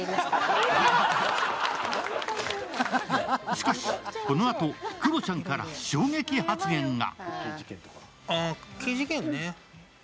しかし、このあとクロちゃんから衝撃発言が。